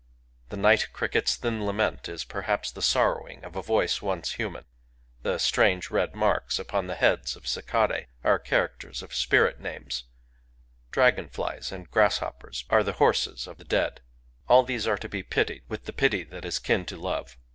The night cricket's thin lament is perhaps the sorrowing of a voice once human ;— the strange red marks upon the heads of cicadae are characters of spirit names ;— dragon flies and grasshoppers are the horses of the dead. All these are to be pitied with the pity that is kin to love.